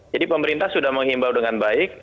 jadi pemerintah sudah menghimbau dengan baik